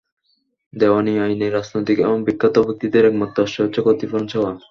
দেওয়ানি আইনে রাজনীতিক এবং বিখ্যাত ব্যক্তিত্বের একমাত্র আশ্রয় হচ্ছে ক্ষতিপূরণ চাওয়া।